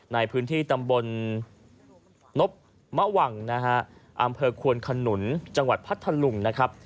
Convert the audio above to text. ในพื้นที่ตำบลนบมะวังนะฮะอำเภอควนขนุนจังหวัดพัทธลุงนะครับ